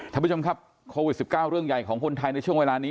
ท่านผู้ชมครับโควิด๑๙เรื่องใหญ่ของคนไทยในช่วงเวลานี้